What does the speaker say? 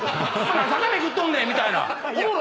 何めくっとんねんみたいな。